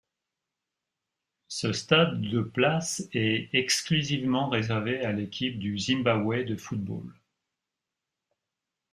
Ce stade de places est exclusivement réservé à l'équipe du Zimbabwe de football.